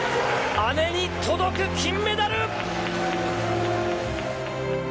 姉に届く金メダル。